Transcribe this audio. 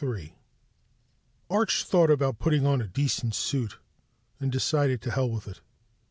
Arch thought about putting on a decent suit and decided to hell with it.